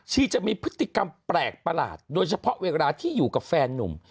ีจะมีพฤติกรรมแปลกประหลาดโดยเฉพาะเวลาที่อยู่กับแฟนนุ่ม